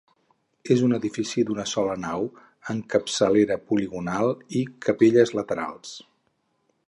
És un edifici d'una sola nau amb capçalera poligonal i capelles laterals.